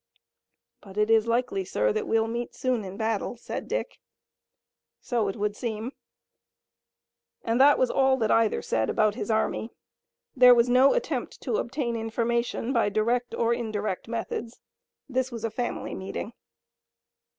"But it is likely, sir, that we'll soon meet in battle," said Dick. "So it would seem." And that was all that either said about his army. There was no attempt to obtain information by direct or indirect methods. This was a family meeting.